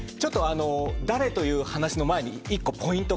誰という話の前に１個ポイントが。